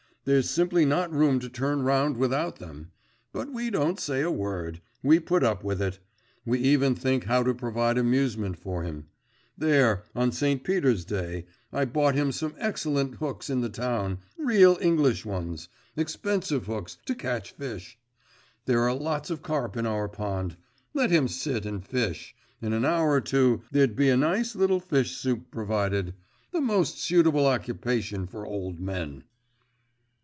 there's simply not room to turn round without them; but we don't say a word we put up with it. We even think how to provide amusement for him. There, on St. Peter's Day, I bought him some excellent hooks in the town real English ones, expensive hooks, to catch fish. There are lots of carp in our pond. Let him sit and fish; in an hour or two, there'd be a nice little fish soup provided. The most suitable occupation for old men.